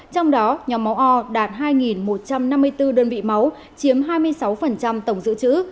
trong đó nhóm máu o đạt hai một trăm năm mươi bốn đơn vị máu chiếm hai mươi sáu tổng dự trữ